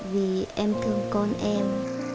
vì em thương con em